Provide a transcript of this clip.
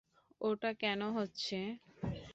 ওটা কেন হচ্ছে?